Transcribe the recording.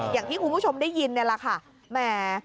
อย่างที่คุณผู้ชมได้ยินนี่แหละค่ะแหม